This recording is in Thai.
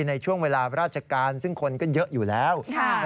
ในช่วงเวลาราชการซึ่งคนก็เยอะอยู่แล้ว